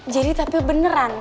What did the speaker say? jadi tapi beneran